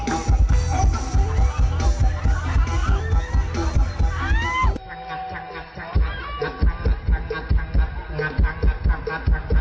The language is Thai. โอ้โอ้